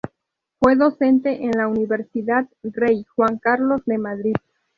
Fue docente en la Universidad Rey Juan Carlos de Madrid.